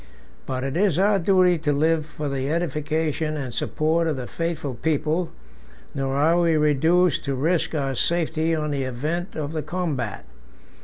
But it is our duty to live for the edification and support of the faithful people; nor are we reduced to risk our safety on the event of a combat.